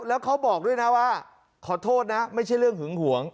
แล้วเขาบอกด้วยนะว่าขอโทษนะไม่ใช่เรื่องหึงหวง